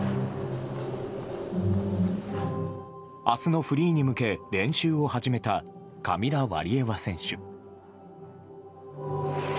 明日のフリーに向け練習を始めたカミラ・ワリエワ選手。